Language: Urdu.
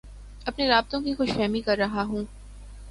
اپنے رابطوں کی خوش فہمی کررہا ہوں